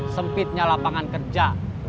sempitnya lapangan kerja